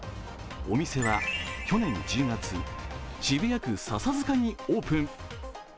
お店は去年１０月、渋谷区笹塚にオープン。